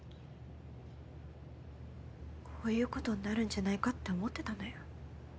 こういうことになるんじゃないかって思ってたのよ。